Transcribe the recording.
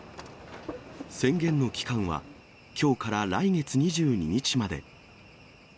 宣言の期間は、きょうから来月２２日まで。